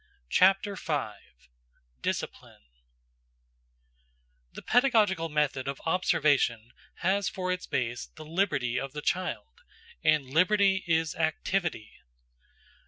CHAPTER V DISCIPLINE THE pedagogical method of observation has for its base the liberty of the child; and liberty is activity.